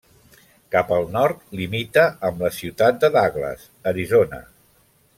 Cap al nord limita amb la ciutat de Douglas, Arizona.